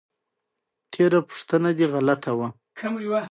حرفه زده کول څه ګټه لري؟